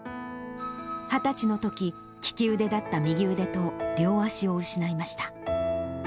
２０歳のとき、利き腕だった右腕と両足を失いました。